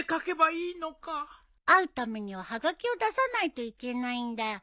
会うためにははがきを出さないといけないんだよ。